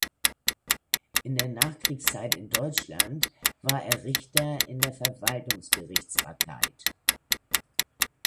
In der Nachkriegszeit in Deutschland war er Richter in der Verwaltungsgerichtsbarkeit.